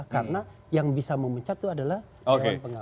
karena yang bisa memuncat itu adalah dewan pengawas